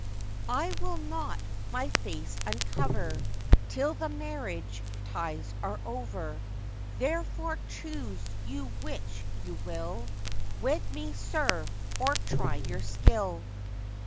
'I will not my face uncover Till the marriage ties are over; Therefore, choose you which you will, Wed me, sir, or try your skill.